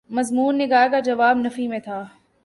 مضمون نگار کا جواب نفی میں تھا۔